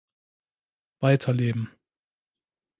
Weiter leben.